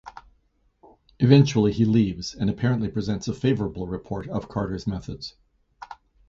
Eventually he leaves and apparently presents a favourable report of Carter's methods.